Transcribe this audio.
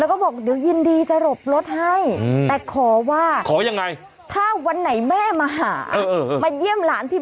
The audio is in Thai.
แล้วก็บอกจะยินดีจะโรบรถให้